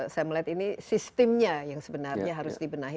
saya melihat ini sistemnya yang sebenarnya harus dibenahi